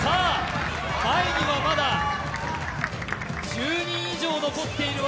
前にはまだ１０人以上残っている。